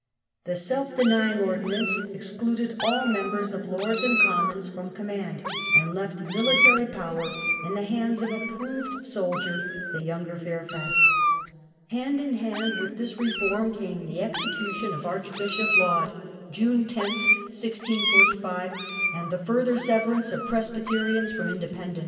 The "Self denying Ordinance" excluded all members of Lords and Commons from com mand, and left military power in the hands of a proved soldier, the younger Fairfax. 52 PRESBYTERIANS AND INDEPENDENTS. Hand in hand with this reform came the execution of Archbishop Laud (June lo, 1645), ^"^^^^ further sever ance of Presbyterians from Independents.